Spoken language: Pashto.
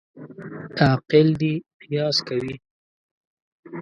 عاقل دي قیاس کوي.